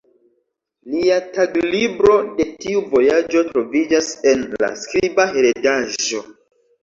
Lia taglibro de tiu vojaĝo troviĝas en la skriba heredaĵo.